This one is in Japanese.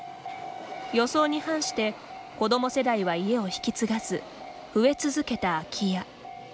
予想に反して子ども世代は家を引き継がず増え続けた空き家。